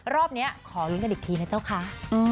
รอบนี้ขอลุ้นกันอีกทีนะเจ้าคะ